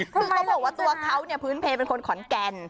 คือเขาบอกว่าตัวเขาเนี่ยพื้นเพลเป็นคนขอนแก่น